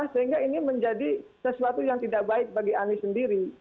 sehingga ini menjadi sesuatu yang tidak baik bagi anies sendiri